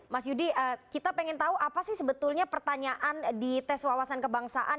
mas yudi kita pengen tahu apa sih sebetulnya pertanyaan di tes wawasan kebangsaan